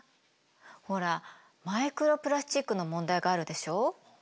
ほらマイクロプラスチックの問題があるでしょ？